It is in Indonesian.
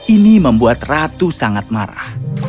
ini membuat ratu sangat marah